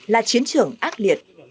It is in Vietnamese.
là chiến trường ác liệt